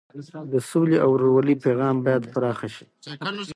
د سولې او ورورولۍ پیغام باید پراخه شي.